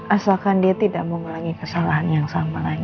asalkan dia tidak mau melangih kesalahan yang sama lagi